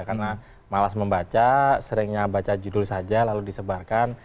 karena malas membaca seringnya baca judul saja lalu disebarkan